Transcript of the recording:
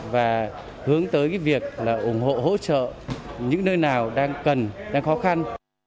và hướng tới việc ủng hộ hỗ trợ những nơi nào đang cần đang khó khăn